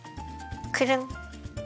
くるん。